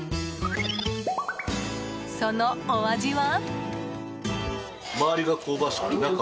そのお味は。